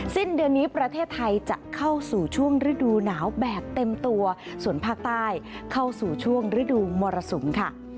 สิ้นเดือนนี้ประเทศไทยจะเข้าสู่ช่วงฤดูหนาวแบบเต็มตัวส่วนภาคใต้เข้าสู่ช่วงฤดูมรสุมค่ะ